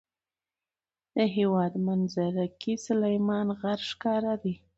د هېواد منظره کې سلیمان غر ښکاره دی.